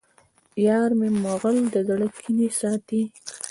یارمی مغل د زړه کینې ساتي